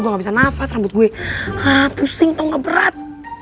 gue ga bisa nafas rambut gue pusing tau ga berat